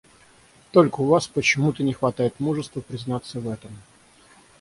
Только у Вас почему-то не хватает мужества признаться в этом.